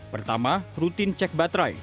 pertama rutin cek baterai